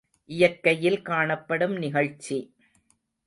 இயற்கையில் காணப்படும் நிகழ்ச்சி.